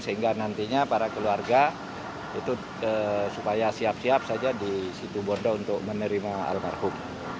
sehingga nantinya para keluarga itu supaya siap siap saja di situ bondo untuk menerima almarhum